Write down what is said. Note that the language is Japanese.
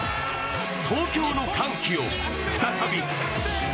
東京の歓喜を再び。